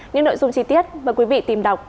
những nội dung chi tiết mời quý vị tìm đọc